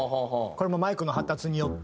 これもマイクの発達によって。